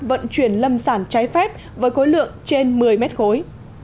vận chuyển lâm sản trái phép với khối lượng trên một mươi mét khối